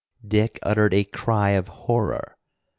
Dick uttered a cry of horror!